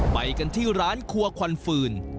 ไปกันที่ร้านครัวควันฟืน